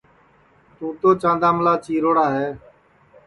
تُوں تو چانداملی چیروڑی ہے